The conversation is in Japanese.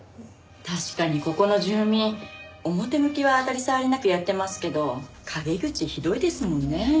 確かにここの住民表向きは当たり障りなくやってますけど陰口ひどいですもんね。